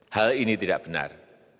hal ini tidak benar